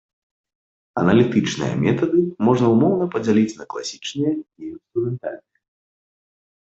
Аналітычныя метады можна ўмоўна падзяліць на класічныя і інструментальныя.